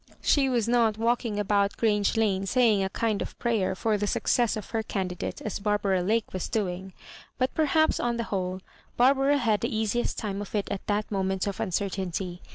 She was not walking about Grange Lane saying a kind of prayer for the success of her candidate, as Bar bara Lake was doing; but perhaps, on the whole, Barbara had &e easiest time of it at that moment of uncertainty.